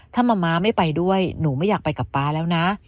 ถ้ามะม้าไม่ไปด้วยหนูไม่อยากไปกับป๊าแล้วนะ